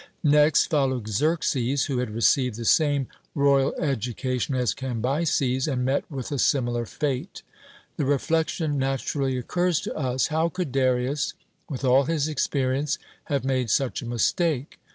Next followed Xerxes, who had received the same royal education as Cambyses, and met with a similar fate. The reflection naturally occurs to us How could Darius, with all his experience, have made such a mistake!